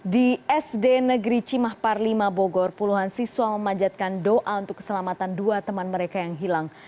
di sd negeri cimah parlima bogor puluhan siswa memanjatkan doa untuk keselamatan dua teman mereka yang hilang